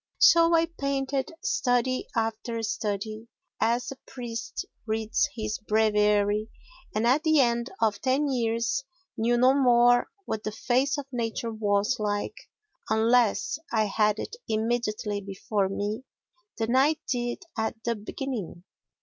So I painted study after study, as a priest reads his breviary, and at the end of ten years knew no more what the face of nature was like, unless I had it immediately before me, than I did at the beginning.